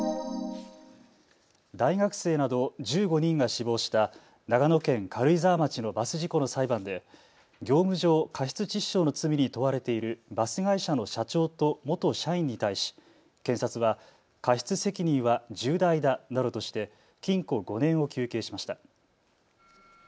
大学生など１５人が死亡した長野県軽井沢町のバス事故の裁判で業務上過失致死傷の罪に問われているバス会社の社長と元社員に対し、検察は過失責任は重大だなどとして禁錮５年を求刑しました。